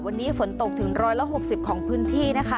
วันนี้ฝนตกถึง๑๖๐ของพื้นที่นะคะ